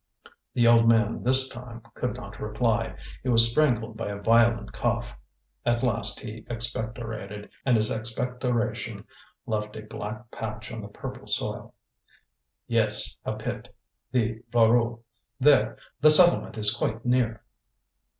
The old man this time could not reply: he was strangled by a violent cough. At last he expectorated, and his expectoration left a black patch on the purple soil. "Yes, a pit. The Voreux. There! The settlement is quite near."